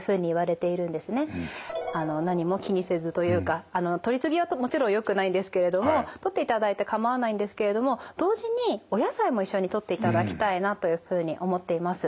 何も気にせずというかとりすぎはもちろんよくないんですけれどもとっていただいて構わないんですけれども同時にお野菜も一緒にとっていただきたいなというふうに思っています。